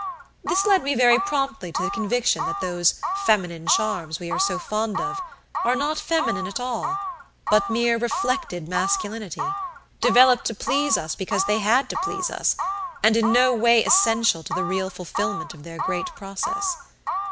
This led me very promptly to the conviction that those "feminine charms" we are so fond of are not feminine at all, but mere reflected masculinity developed to please us because they had to please us, and in no way essential to the real fulfillment of their great process.